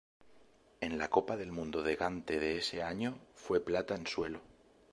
En la Copa del Mundo de Gante de ese año fue plata en suelo.